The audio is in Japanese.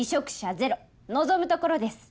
ゼロ望むところです